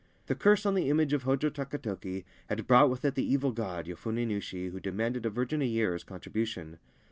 The curse on the image of Hojo Takatoki had brought with it the evil god, Yofune Nushi, who demanded a virgin a year as contribution.